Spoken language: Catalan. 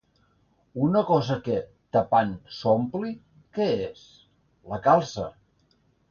Una cosa que, tapant, s’ompli. Què és?: la calça.